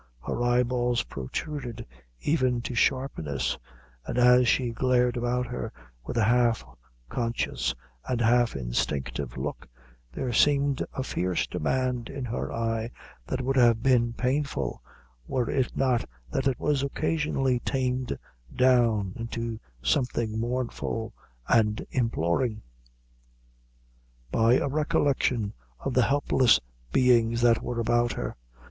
Her eyeballs protruded even to sharpness, and as she glared about her with a half conscious and half instinctive look, there seemed a fierce demand in her eye that would have been painful, were it not that it was occasionally tamed down into something mournful and imploring, by a recollection of the helpless beings that were about her.